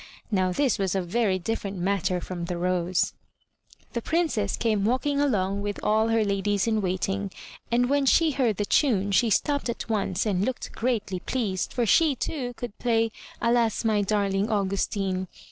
Now this was a very different matter from the rose. 271 MY BOOK HOUSE The Princess came walking along with all her ladies in waiting, and when she heard the tune she stopped at once and looked greatly pleased for she, too, could play "Alas, my darling Augus tine!''